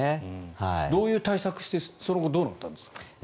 どういう対応してその後どうなったんですか？